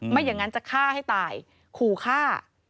ไม่อย่างนั้นจะฆ่าให้ตายขู่ฆ่า